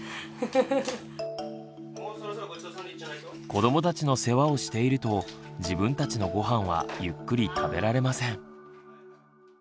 子どもたちの世話をしていると自分たちのごはんはゆっくり食べられません。